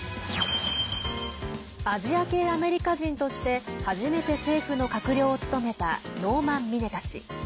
アジア系アメリカ人として初めて政府の閣僚を務めたノーマン・ミネタ氏。